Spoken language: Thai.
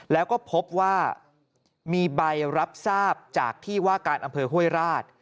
แล้วก็พบว่ามีใบรับทราบจากที่ว่าการอำเภอห้วยราช